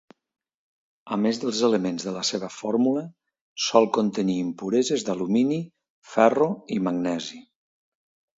A més dels elements de la seva fórmula, sol contenir impureses d'alumini, ferro i magnesi.